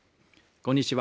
こんにちは。